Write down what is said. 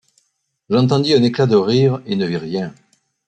J’entendis un éclat de rire, et ne vis rien.